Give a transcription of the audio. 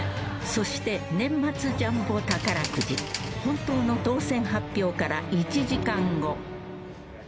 ［そして年末ジャンボ宝くじ本当の当せん発表から１時間後］